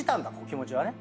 気持ちはね。